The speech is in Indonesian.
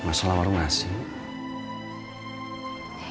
masalah warung elsie